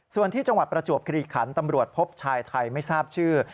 ส่วนที่จังหวัดประจวบคลีขันตำรวจพบชายไทยไม่ทราบชื่อ